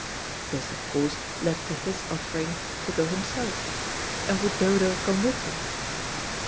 This, of course, led to his offering to go himself, and would Dodo come with him?